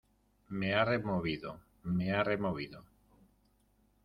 me ha removido. me ha removido .